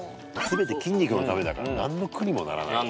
全て筋肉のためだから何の苦にもならない。